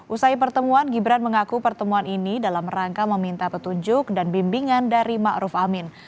usai pertemuan gibran mengaku pertemuan ini dalam rangka meminta petunjuk dan bimbingan dari ⁇ maruf ⁇ amin